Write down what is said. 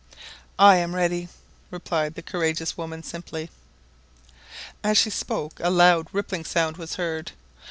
"I am ready!" replied the courageous woman simply. As she spoke a loud rippling sound was heard.